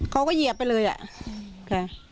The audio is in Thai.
เขาก็เหยียบไปเลยอ่ะ